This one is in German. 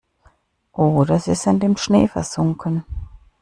Oder sie sind im Schnee versunken.